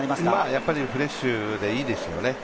やっぱりフレッシュでいいですよね。